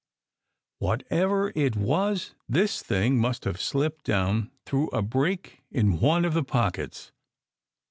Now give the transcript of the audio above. Whatever it was, this thing must have slipped down through a break in one of the pockets.